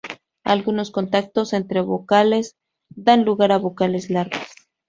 Algunos contactos entre vocales dan lugar a vocales largas.